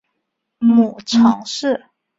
母常氏。